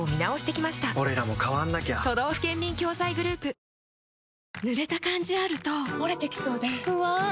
ライバル視とか女性Ａ）ぬれた感じあるとモレてきそうで不安！菊池）